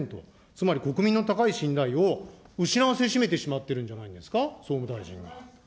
つまり、国民の高い信頼を失わせしめてしまってるんじゃないですか、総務大臣が。